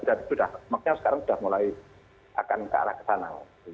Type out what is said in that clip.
dan maknya sekarang sudah mulai akan ke arah kesana